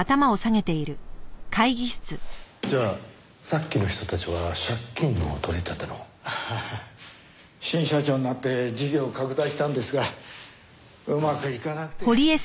じゃあさっきの人たちは借金の取り立ての。はあ新社長になって事業を拡大したんですがうまくいかなくて。